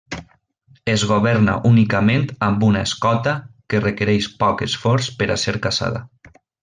Es governa únicament amb una escota que requereix poc esforç per a ser caçada.